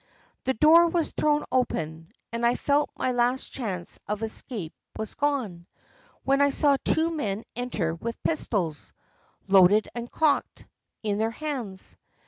The door was thrown open, and I felt my last chance of escape was gone, when I saw two men enter with pistols, loaded and cocked, in their hands.